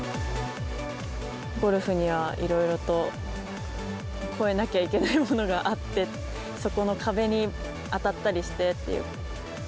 ゴルフにはいろいろと超えなきゃいけないものがあって、そこの壁に当たったりしてっていう。